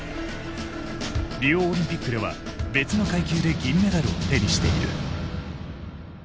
リオオリンピックでは別の階級で銀メダルを手にしている。